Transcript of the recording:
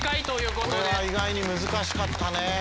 これは意外に難しかったね。